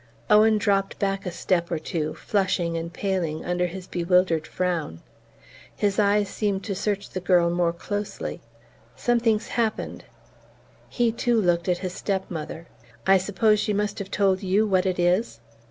Owen dropped back a step or two, flushing and paling under his bewildered frown. His eyes seemed to search the girl more closely. "Something's happened." He too looked at his step mother. "I suppose she must have told you what it is?"